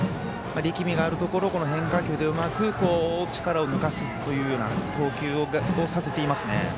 力みがあるところ、変化球でうまく力を抜かすというような投球をさせていますね。